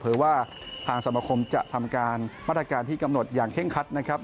ว่าทางสมคมจะทำการมาตรการที่กำหนดอย่างเคร่งคัดนะครับ